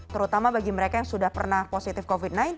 terutama bagi mereka yang sudah pernah positif covid sembilan belas